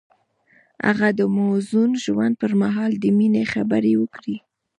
هغه د موزون ژوند پر مهال د مینې خبرې وکړې.